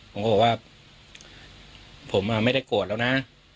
ผมก็บอกว่าผมไม่ได้โกรธแล้วนะ